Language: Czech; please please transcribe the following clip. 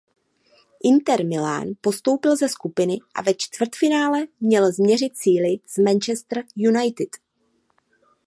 Inter Milán postoupil ze skupiny a ve čtvrtfinále měl změřit síly s Manchesterem United.